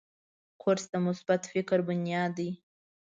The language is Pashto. کورس د مثبت فکر بنیاد دی.